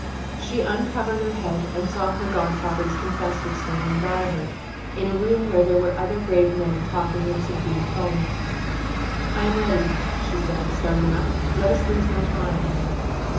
She uncovered her head and saw her godfather's confessor standing by her, in a room where there were other grave men talking in subdued tones. "I am ready," she said, starting up. "Let us lose no time."